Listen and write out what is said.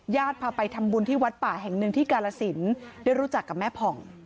พาไปทำบุญที่วัดป่าแห่งหนึ่งที่กาลสินได้รู้จักกับแม่ผ่อง